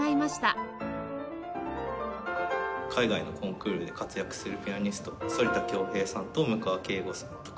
海外のコンクールで活躍するピアニスト反田恭平さんと務川慧悟さんとか。